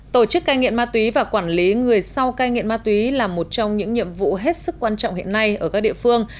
tổ chức cai nghiện ma túy và quản lý người sau cai nghiện ma túy là một trong những nhiệm vụ hết sức quan trọng hiện nay ở các địa phương